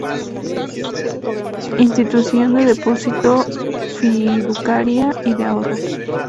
Institución de depósito, fiduciaria y de ahorro.